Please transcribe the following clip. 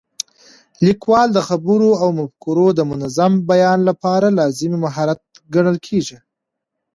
لیکوالی د خبرو او مفکورو د منظم بیان لپاره لازمي مهارت ګڼل کېږي.